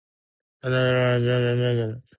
It is found in the Bolaven Plateau in Laos.